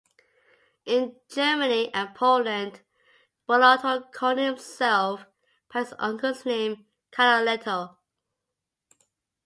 In Germany and Poland, Bellotto called himself by his uncle's name, Canaletto.